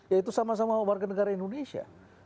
ya itu sama sama warga negara indonesia